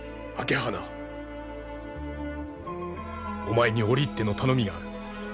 お前に折り入っての頼みがある。